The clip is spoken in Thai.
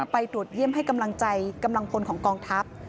ไปตรวจเยี่ยมให้กำลังใจกำลังพลของกองทัพ